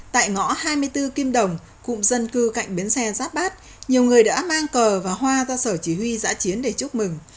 tại ngõ hai mươi bốn kim đồng cụm dân cư cạnh biến xe giáp bát nhiều người đã mang cờ và hoa ra sở chỉ huy giã chiến để chúc mừng